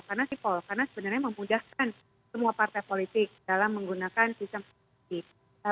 karena sipol karena sebenarnya memudahkan semua partai politik dalam menggunakan sistem politik